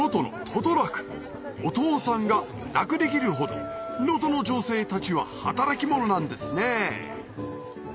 お父さんが楽できるほど能登の女性たちは働き者なんですね